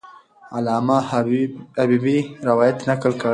علامه حبیبي روایت نقل کړ.